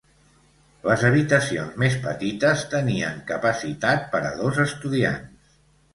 Les habitacions més petites tenien capacitat per a dos estudiants.